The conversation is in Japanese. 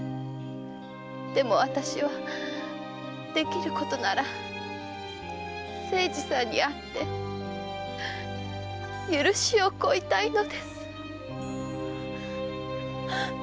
でも私はできることなら清次さんに会って許しを請いたいのです！